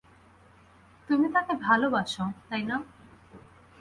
তুমি তাকে ভালোবাসো না, তাই না?